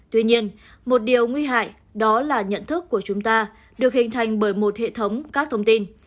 tuy nhiên một điều nguy hại đó là nhận thức của chúng ta được hình thành bởi một hệ thống các thông tin